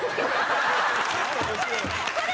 これ！